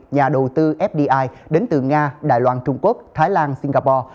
nhà đầu tư fdi đến từ nga đài loan trung quốc thái lan singapore